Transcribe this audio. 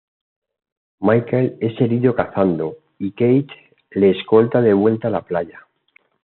Michael es herido cazando, y Kate le escolta de vuelta a la playa.